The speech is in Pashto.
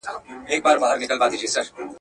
زما له غېږي زما له څنګه پاڅېدلای.